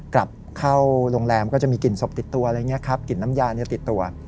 กลับเข้าโรงแรมก็จะมีกลิ่นศพติดตัวอะไรอย่างนี้ครับกลิ่นน้ำยาติดตัว